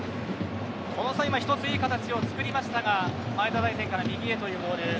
小野さん、今ひとついい形をつくりましたが前田大然から右へというボール。